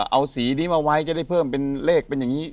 เอาสีนี้มาไว้จะได้เพิ่มเป็นเลขเป็นอย่างนี้